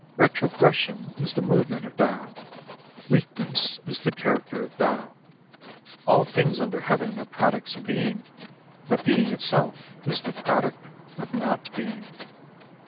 Retrogression is the movement of Tao. Weak ness is the character of Tao. All things under Heaven are products of Being, but Being itself is the product of Not Being.